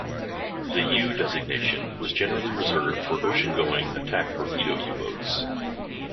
The "U" designation was generally reserved for ocean-going attack torpedo U-boats.